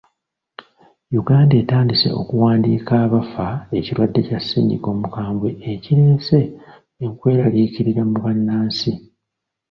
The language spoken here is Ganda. Uganda etandise okuwandiika abafa ekirwadde kya ssennyiga omukambwe ekireese ekweraliikirira mu bannansi.